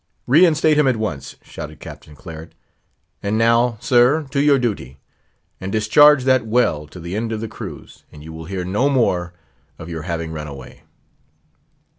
"Reinstate him at once," shouted Captain Claret—"and now, sir, to your duty; and discharge that well to the end of the cruise, and you will hear no more of your having run away."